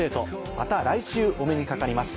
また来週お目にかかります。